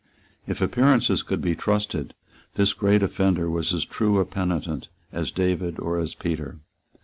If appearances could be trusted, this great offender was as true a penitent as David or as Peter.